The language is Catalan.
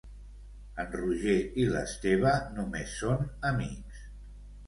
En Roger i l'Esteve només són amics.